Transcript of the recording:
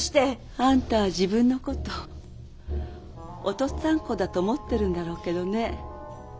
あんたは自分の事お父っつぁん子だと思ってるんだろうけどね